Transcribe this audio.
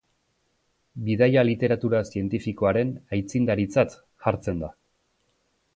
Bidaia literatura zientifikoaren aitzindaritzat hartzen da.